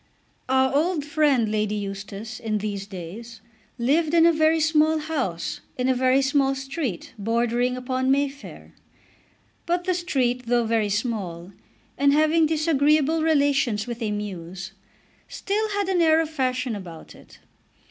Our old friend Lady Eustace, in these days, lived in a very small house in a very small street bordering upon May Fair; but the street, though very small, and having disagreeable relations with a mews, still had an air of fashion about it.